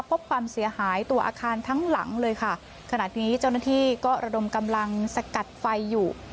ความเสียหายตัวอาคารทั้งหลังเลยค่ะขณะนี้เจ้าหน้าที่ก็ระดมกำลังสกัดไฟอยู่